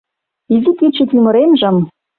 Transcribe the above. Изи кӱчык ӱмыремжым